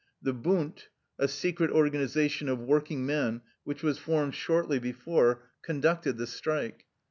The " Bund," a secret organization of working men which was formed shortly before, conducted the strike.